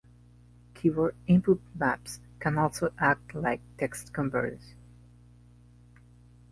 Keyboard input maps can also act like text converters.